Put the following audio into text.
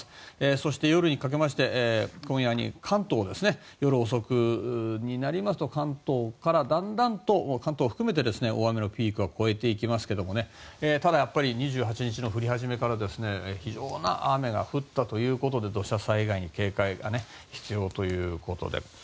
そして、今夜にかけまして関東、夜遅くになりますとだんだんと関東を含めて大雨のピークは越えていきますがただ、２８日の降り始めから非常に雨が降ったということで土砂災害に警戒が必要ということで。